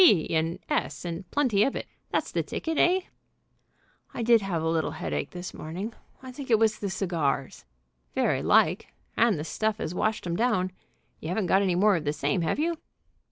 B. and S., and plenty of it. That's the ticket, eh?" "I did have a little headache this morning. I think it was the cigars." "Very like, and the stuff as washed 'em down. You haven't got any more of the same, have you?"